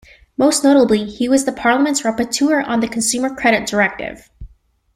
Most notably, he was the Parliament's rapporteur on the Consumer Credit Directive.